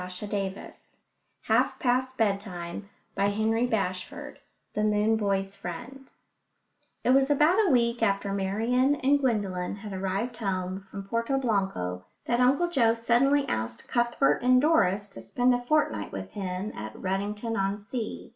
THE MOON BOY'S FRIEND [Illustration: The Lagoon] XIII THE MOON BOY'S FRIEND It was about a week after Marian and Gwendolen had arrived home from Porto Blanco that Uncle Joe suddenly asked Cuthbert and Doris to spend a fortnight with him at Redington on Sea.